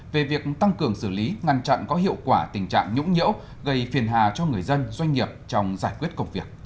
về việc tăng cường xử lý ngăn chặn có hiệu quả tình trạng nhũng nhễu gây phiền hà cho người dân doanh nghiệp trong giải quyết công việc